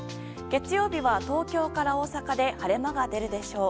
月曜日は東京から大阪で晴れ間が出るでしょう。